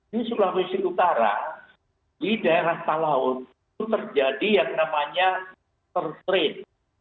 di sulawesi utara di daerah talaut itu terjadi yang namanya ter strain